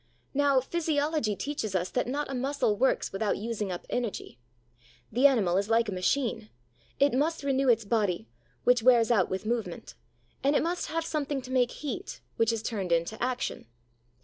Now physiology teaches us that not a muscle works without using up energy. The animal is like a machine; it must renew its body, which wears out with movement, and it must have something to make heat, which is turned into action.